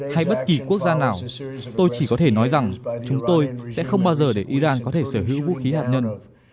hay bất kỳ quốc gia nào tôi chỉ có thể nói rằng chúng tôi sẽ không bao giờ để iran có thể sở hữu vũ khí hạt nhân